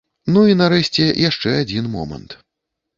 Ну і, нарэшце, яшчэ адзін момант.